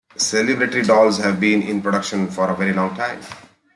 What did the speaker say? Celebrity dolls have been in production for a very long time.